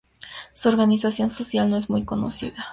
Su organización social no es muy conocida.